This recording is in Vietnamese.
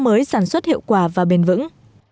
mới sản xuất hiệu quả và bền vững